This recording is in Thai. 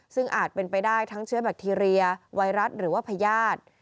ซึ่งอาจเป็นไปได้ทั้งเชื้อแบคทีเรียไวรัสหรือว่าพญาติ